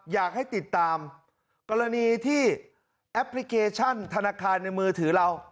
อยากให้ติดตามกรณีที่แอปพลิเคชันธนาคารในมือถือเรา